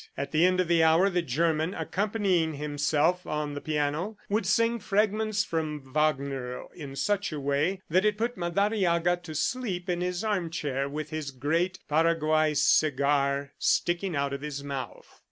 At the end of the hour the German, accompanying himself on the piano, would sing fragments from Wagner in such a way that it put Madariaga to sleep in his armchair with his great Paraguay cigar sticking out of his mouth.